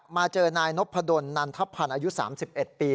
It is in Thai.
มาเจอนายนพดลนันทพันธ์อายุ๓๑ปี